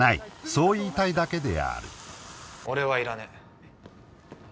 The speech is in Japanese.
そう言いたいだけである俺はいらねええっ？